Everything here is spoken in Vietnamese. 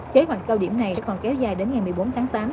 kế hoạch cao điểm này sẽ còn kéo dài đến ngày một mươi bốn tháng tám